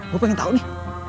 gue pengen tahu nih